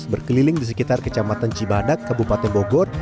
berkeliling di sekitar kecamatan cibadak kabupaten bogor